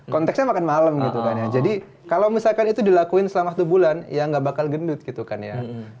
konteksnya makan malam gitu kan ya jadi kalau misalkan itu dilakuin selama satu bulan ya nggak bakal gendut gitu kan ya